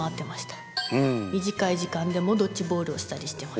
短い時間でもドッジボールをしたりしてました。